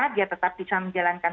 dia tetap bisa menjalankan